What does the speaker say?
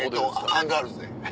アンガールズで。